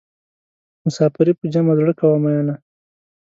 مسافري په جمع زړه کوه مینه.